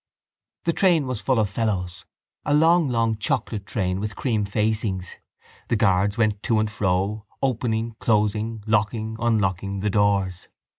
The train was full of fellows: a long long chocolate train with cream facings. The guards went to and fro opening, closing, locking, unlocking the doors.